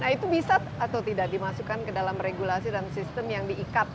nah itu bisa atau tidak dimasukkan ke dalam regulasi dan sistem yang diikat